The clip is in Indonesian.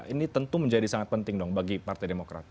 ini tentu menjadi sangat penting dong bagi partai demokrat